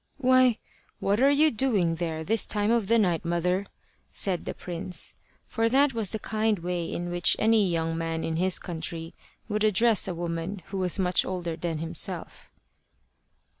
"Why, what are you doing there, this time of the night, mother?" said the prince; for that was the kind way in which any young man in his country would address a woman who was much older than himself.